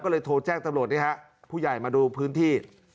ก็เลยโทรแจ้งตำรวจนี่ฮะผู้ใหญ่มาดูพื้นที่